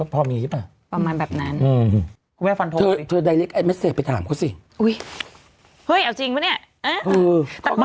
พ่อนางไม่ได้จนนะ